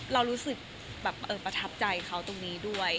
เรารู้สึกแบบประทับใจเขาตรงนี้ด้วย